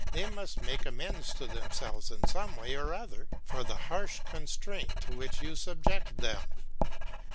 They must make amends to themselves in some way or other for the harsh constraint to which you subject them.